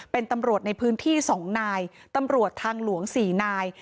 เป็นตำรวจในพื้นที่๒นายตำรวจทางหลวง๔นาย